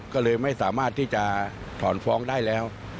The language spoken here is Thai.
ก็เลยไม่สามารถที่จะถอนฟ้องได้แล้ว